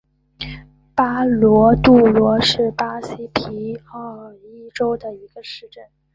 巴罗杜罗是巴西皮奥伊州的一个市镇。